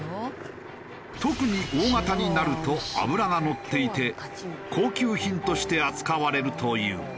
特に大型になると脂が乗っていて高級品として扱われるという。